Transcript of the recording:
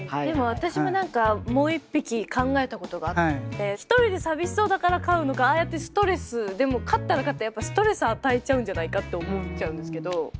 私ももう一匹考えたことがあって一人で寂しそうだから飼うのかああやってストレスでも飼ったら飼ったでやっぱストレス与えちゃうんじゃないかって思っちゃうんですけど。